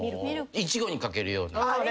イチゴにかけるような。